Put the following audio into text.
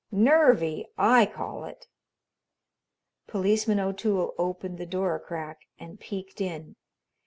Nervy, I call it." Policeman O'Toole opened the door a crack and peeked in.